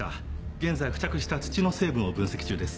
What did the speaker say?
現在付着した土の成分を分析中です。